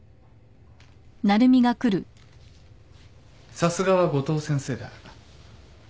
さすがは五島先生だ。